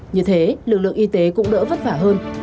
như thế lực lượng y tế cũng đỡ vất vả hơn